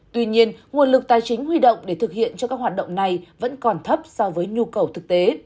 tuy nhiên nguồn lực tài chính huy động để thực hiện cho các hoạt động này vẫn còn thấp so với nhu cầu thực tế